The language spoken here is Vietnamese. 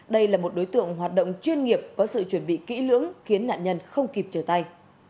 đây là một đối tượng hoạt động chuyên nghiệp có sự chuẩn bị kỹ lưỡng khiến nạn nhân không kịp trở tay